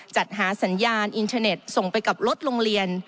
จัดหาสัญญาณอินเทอร์เน็ตส่งไปกับรถโรงเรียน